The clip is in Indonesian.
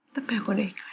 tapi aku ada ikhlas